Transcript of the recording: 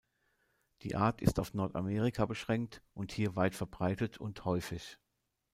Die Art ist auf Nordamerika beschränkt und hier weit verbreitet und häufig.